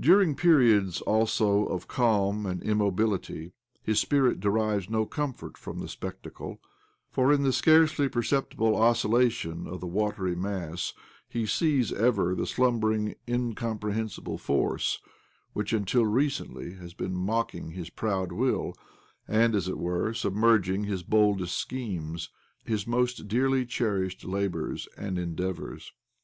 During periods, also, of calm and immobility his spirit derives no comfort from the spectacle ; for in the scarcely perceptible oscillation of the watery mass he sees ever the slumber ing, incomprehensible force which, until recently, has been mocking his proud will and, as it were, submerging his boldest schemes, his most dearly cherished labours and endeavours.